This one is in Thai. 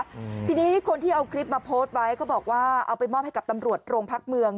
อืมทีนี้คนที่เอาคลิปมาโพสต์ไว้เขาบอกว่าเอาไปมอบให้กับตำรวจโรงพักเมือง